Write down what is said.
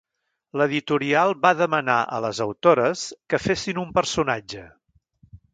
L'editorial va demanar a les autores que fessin un personatge.